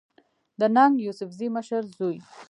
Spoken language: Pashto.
د ننګ يوسفزۍ مشر زوی